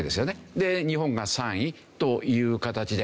で日本が３位という形で。